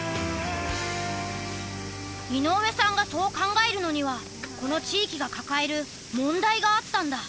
井上さんがそう考えるのにはこの地域が抱える問題があったんだ。